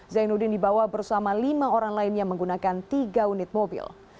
zainuddin dibawa bersama lima orang lainnya menggunakan tiga unit mobil